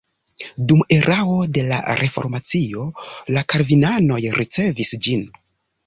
Dum erao de la reformacio la kalvinanoj ricevis ĝin.